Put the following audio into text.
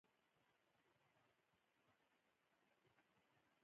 پاتې پنځه ویشت میلیونه یې متغیره پانګه جوړوي